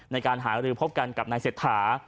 ในการหารือพบกันกับนายเศรษฐา